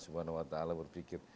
subhanallah ta'ala berpikir